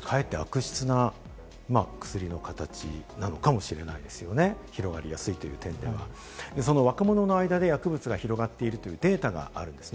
かえって悪質な薬の形なのかもしれないですよね、広がりやすいという点ではその若者の間に薬物が広がっているデータがあるんですね。